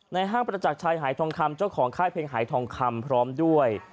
ห้างประจักรชัยหายทองคำเจ้าของค่ายเพลงหายทองคำพร้อมด้วย